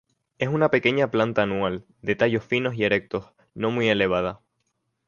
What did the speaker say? Es una pequeña planta anual, de tallos finos y erectos, no muy elevada.